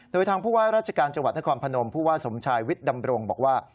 โดยทางผู้ว่าราชการจังหวัดนครพนมผู้ว่าสมชายวิทย์ดำรงบอกว่า